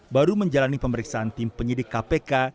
baru menjalani pemeriksaan tim penyidik kpk